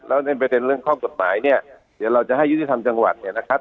แล้วในประเด็นเรื่องข้อกฎหมายเนี่ยเดี๋ยวเราจะให้ยุติธรรมจังหวัดเนี่ยนะครับ